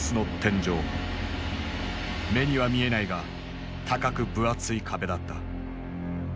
目には見えないが高く分厚い壁だった。